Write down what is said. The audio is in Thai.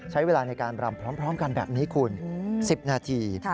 ใช้เวลาในการรำพร้อมกันแบบนี้คุณ๑๐นาที